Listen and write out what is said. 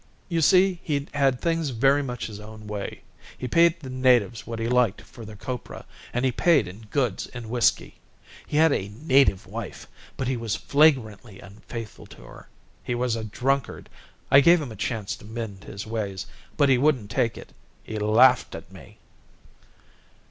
You see, he'd had things very much his own way. He paid the natives what he liked for their copra, and he paid in goods and whiskey. He had a native wife, but he was flagrantly unfaithful to her. He was a drunkard. I gave him a chance to mend his ways, but he wouldn't take it. He laughed at me."